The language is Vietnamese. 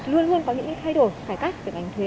luôn luôn có những thay đổi cải cách về ngành thuế